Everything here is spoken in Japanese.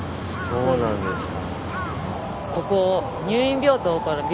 そうなんですか。